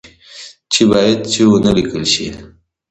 چې باید چي و نه لیکل شي